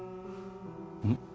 うん？